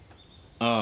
ああ。